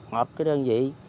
họp đơn vị